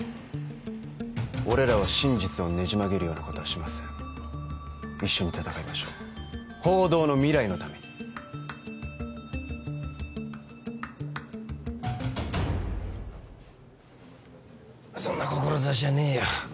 俺らは真実をねじ曲げるようなことはしません一緒に戦いましょう報道の未来のためにそんな志はねえよ